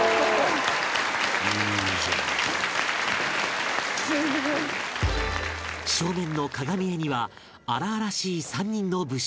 「いいじゃん」「すごい」正面の鏡絵には荒々しい３人の武将